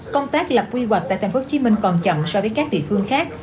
công tác lập quy hoạch tại tp hcm còn chậm so với các địa phương khác